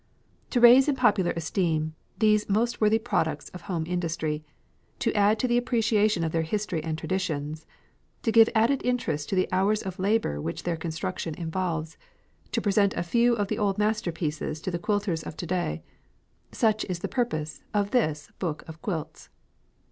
To raise in popular esteem these most worthy products of home industry, to add to the appreciation of their history and traditions, to give added interest to the hours of labour which their construction involves, to present a few of the old masterpieces to the quilters of to day; such is the purpose of this book of quilts.